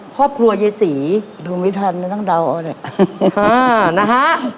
ครอบครัวเยยสีดูไม่ทันต้องเดาออกเนี้ยฮ่านะฮะ